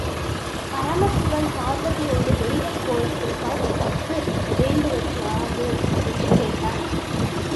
பார்வதியோடு பரமசிவன் தெய்வக் கோலத்தில் காட்சி தத்து வேண்டுவது யாது? என்று கேட்டான்.